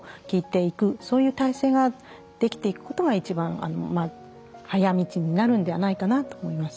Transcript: そういう体制ができていくことが一番早道になるんではないかなと思います。